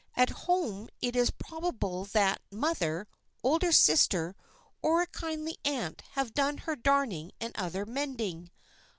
At home, it is probable that mother, older sister or a kindly aunt have done her darning and other mending.